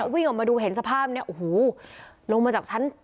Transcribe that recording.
วิ่งออกมาดูเห็นสภาพเนี่ยโอ้โหลงมาจากชั้น